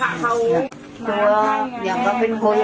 อาวุธแห่งแล้วพอเดินได้ผมว่าเจอบัตรภรรยากุศิษภัณฑ์